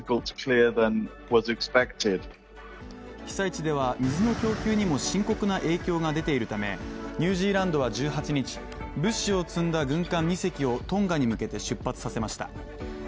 被災地では水の供給にも深刻な影響が出ているため、ニュージーランドは１８日物資を積んだ軍艦２隻をトンガに向けて出発させました。